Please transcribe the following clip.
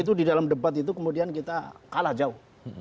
itu di dalam debat itu kemudian kita kalah jauh